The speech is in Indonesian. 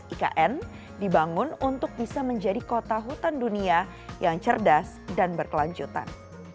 ikn dibangun untuk bisa menjadi kota hutan dunia yang cerdas dan berkelanjutan